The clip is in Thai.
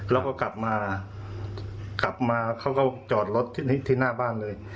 แล้วก็กลับมากลับมาเขาก็จอดรถที่หน้าบ้านเลย